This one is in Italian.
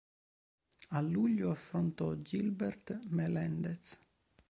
A luglio affrontò Gilbert Melendez.